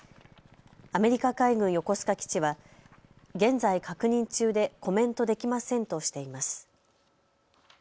アメリカ海軍横須賀基地は現在、確認中でコメントできませんとしています。